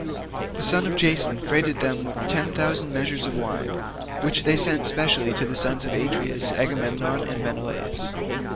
The son of Jason freighted them with ten thousand measures of wine, which he sent specially to the sons of Atreus, Agamemnon and Menelaus.